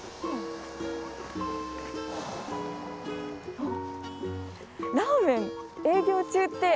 あっ！